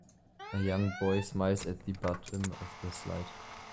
A young boy smiles at the bottom of the slide.